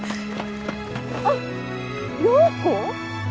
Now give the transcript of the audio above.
あっ良子？